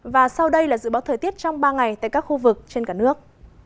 và sau đây là dự báo thời tiết trong ba ngày tại các khu vực trên cả nước